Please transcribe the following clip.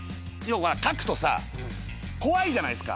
描くとさ怖いじゃないですか。